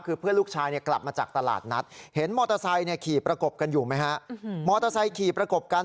คือเพื่อนลูกชายกลับมาจากตลาดนัดเห็นมอเตอร์ไซค์ขี่ประกบกันอยู่ไหมฮะ